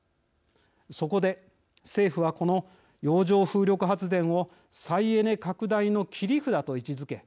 そこで、政府はこの洋上風力発電を再エネ拡大の切り札と位置づけ